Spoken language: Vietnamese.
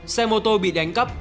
xe mô tô bị đánh cắp